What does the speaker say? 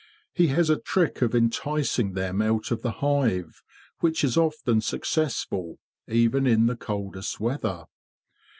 He has a trick of enticing them out of the hive which is often success ful even in the coldest weather.